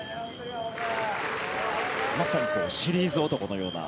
まさにシリーズ男のような。